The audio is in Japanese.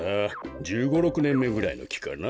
１５６ねんめぐらいのきかな。